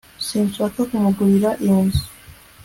Sinshaka kumugurira iyo nzu